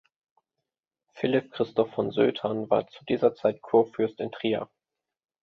Philipp Christoph von Sötern war zu dieser Zeit Kurfürst in Trier.